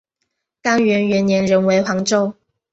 干元元年仍为黄州。